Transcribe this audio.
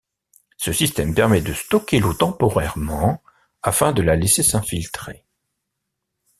Ce système permet de stocker l’eau temporairement afin de la laisser s’infiltrer.